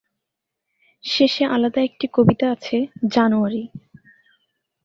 শেষে আলাদা একটি কবিতা আছে ‘জানুয়ারি’।